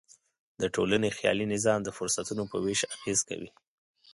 د ټولنې خیالي نظام د فرصتونو په وېش اغېز کوي.